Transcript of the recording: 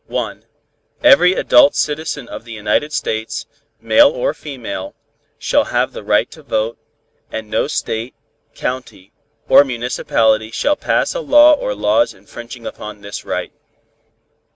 Every adult citizen of the United States, male or female, shall have the right to vote, and no state, county or municipality shall pass a law or laws infringing upon this right.